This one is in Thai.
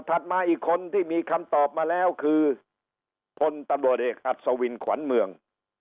มาอีกคนที่มีคำตอบมาแล้วคือพลตำรวจเอกอัศวินขวัญเมือง